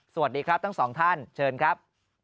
สวัสดีครับทั้งสองท่านเชิญครับ